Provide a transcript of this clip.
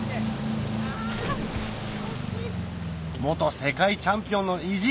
世界チャンピオンの意地